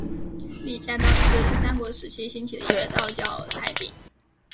李家道是三国时期兴起的一个道教派别。